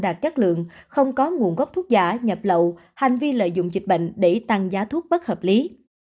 tăng cường không có nguồn gốc thuốc giả nhập lậu hành vi lợi dụng dịch bệnh để tăng giá thuốc bất hợp lý